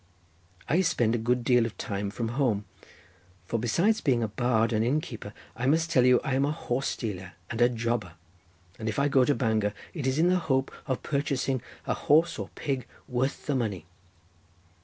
I spend a good deal of time from home, for besides being a bard and innkeeper, I must tell you I am a horse dealer and a jobber, and if I go to Bangor it is in the hope of purchasing a horse or pig worth the money."